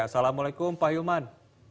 assalamu'alaikum pak hilman